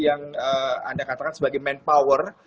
yang anda katakan sebagai manpower